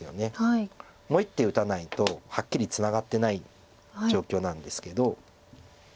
もう１手打たないとはっきりツナがってない状況なんですけど。